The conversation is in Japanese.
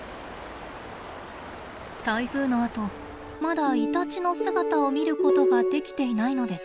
台風のあとまだイタチの姿を見ることができていないのです。